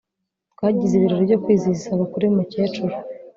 twagize ibirori byo kwizihiza isabukuru yumukecuru